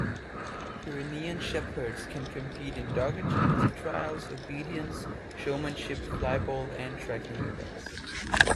Pyrenean Shepherds can compete in dog agility trials, obedience, showmanship, flyball, and tracking events.